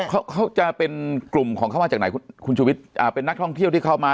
เขาเขาจะเป็นกลุ่มของเขามาจากไหนคุณคุณชุวิตอ่าเป็นนักท่องเที่ยวที่เข้ามา